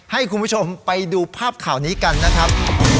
ให้คุณผู้ชมไปดูภาพข่าวนี้กันนะครับ